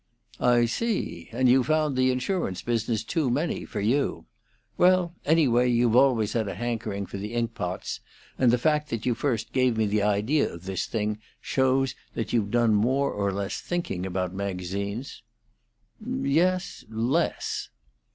"I see; and you found the insurance business too many, for you. Well, anyway, you've always had a hankering for the inkpots; and the fact that you first gave me the idea of this thing shows that you've done more or less thinking about magazines." "Yes less."